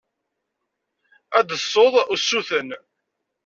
Ad d-tessuḍ usuten.